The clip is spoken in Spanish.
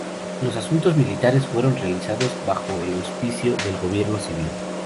Los asuntos militares fueron realizados bajo el auspicio del gobierno civil.